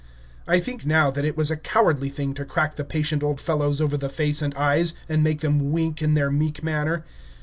I think now that it was a cowardly thing to crack the patient old fellows over the face and eyes, and make them wink in their meek manner.